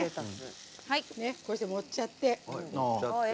こうして盛っちゃって。